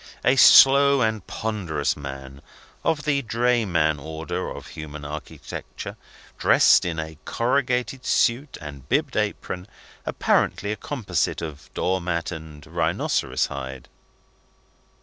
A slow and ponderous man, of the drayman order of human architecture, dressed in a corrugated suit and bibbed apron, apparently a composite of door mat and rhinoceros hide.